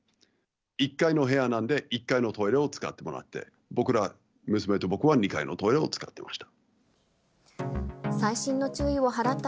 １階の部屋なんで、１階のトイレを使ってもらって、僕ら、娘と僕は２階のトイレを使ってました。